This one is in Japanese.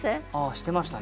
してましたね。